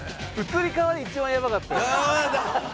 移り変わり一番やばかったよね。